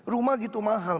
rumah itu mahal